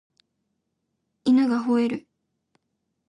犬が吠える